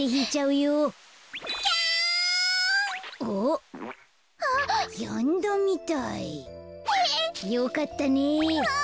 よかったね。